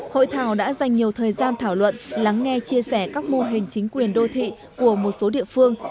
hội thảo đã dành nhiều thời gian thảo luận lắng nghe chia sẻ các mô hình chính quyền đô thị của một số địa phương